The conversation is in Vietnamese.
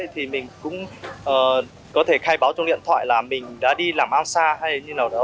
thì mình cũng có thể khai báo trong điện thoại là mình đã đi làm ăn xa hay như nào đó